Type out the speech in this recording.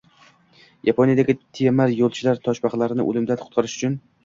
Yaponiyadagi temir yo‘lchilar toshbaqalarni o‘limdan qutqarish uchun